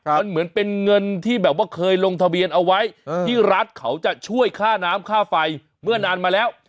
มันเหมือนเป็นเงินที่แบบว่าเคยลงทะเบียนเอาไว้ที่รัฐเขาจะช่วยค่าน้ำค่าไฟเมื่อนานมาแล้ว